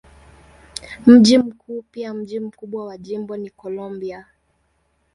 Mji mkuu pia mji mkubwa wa jimbo ni Columbia.